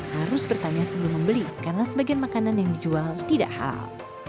harus bertanya sebelum membeli karena sebagian makanan yang dijual tidak halal